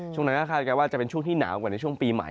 ช่วงนั้นก็คาดการณ์ว่าจะเป็นช่วงที่หนาวกว่าในช่วงปีใหม่